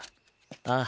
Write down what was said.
ああ。